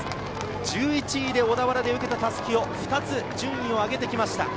１１位で小田原で受けた襷を２つ順位を上げました。